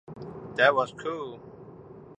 That was cool.